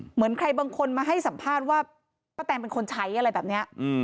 เหมือนใครบางคนมาให้สัมภาษณ์ว่าป้าแตงเป็นคนใช้อะไรแบบนี้